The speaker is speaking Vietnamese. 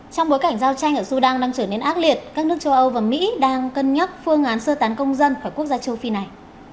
trong bối cảnh giao tranh ở sudan đang trở nên ác liệt các nước châu âu và mỹ đang cân nhắc phương án sơ tán công dân khỏi quốc gia châu phi này